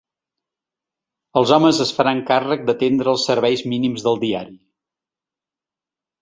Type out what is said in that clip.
Els homes es faran càrrec d’atendre els serveis mínims del diari.